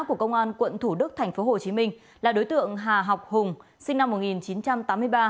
của công an quận thủ đức tp hcm là đối tượng hà ngọc hùng sinh năm một nghìn chín trăm tám mươi ba